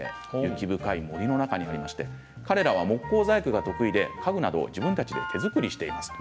雪深い森の中にありまして彼らは木工細工が得意で家具などを自分たちで手作りしています。